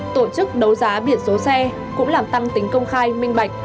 tổ chức đấu giá biển số xe cũng làm tăng tính công khai minh bạch